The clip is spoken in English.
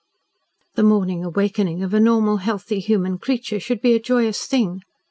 The morning awakening of a normal healthy human creature should be a joyous thing.